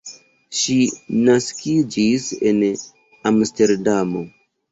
Ŝi naskiĝis en Amsterdamo.